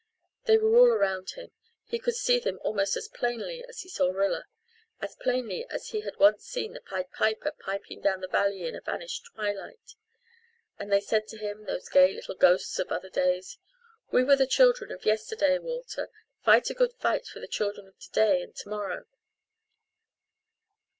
They were all there around him he could see them almost as plainly as he saw Rilla as plainly as he had once seen the Pied Piper piping down the valley in a vanished twilight. And they said to him, those gay little ghosts of other days, "We were the children of yesterday, Walter fight a good fight for the children of to day and to morrow."